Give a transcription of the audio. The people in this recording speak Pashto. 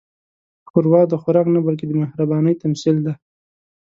ښوروا د خوراک نه، بلکې د مهربانۍ تمثیل دی.